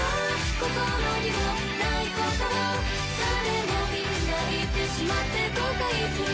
心にもないことを誰もみんな言ってしまって後悔する